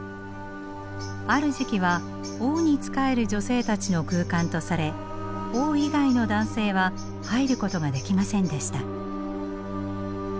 ある時期は王に仕える女性たちの空間とされ王以外の男性は入ることができませんでした。